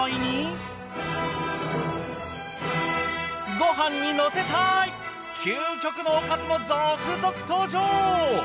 ご飯にのせたい究極のおかずも続々登場。